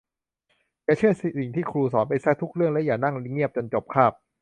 อย่าเชื่อสิ่งที่ครูสอนไปซะทุกเรื่องและอย่านั่งเงียบจนจบคาบ